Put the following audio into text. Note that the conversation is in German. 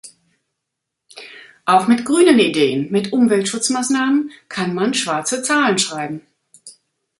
Auch mit grünen Ideen, mit Umweltschutzmaßnahmen kann man schwarze Zahlen schreiben.